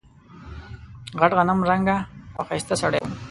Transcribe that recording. غټ غنم رنګه او ښایسته سړی و.